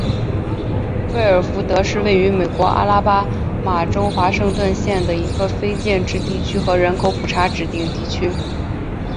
费尔福德是位于美国阿拉巴马州华盛顿县的一个非建制地区和人口普查指定地区。